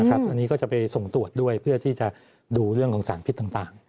อันนี้ก็จะไปส่งตรวจด้วยเพื่อที่จะดูเรื่องของสารพิษต่าง